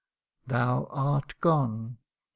' Thou art gone !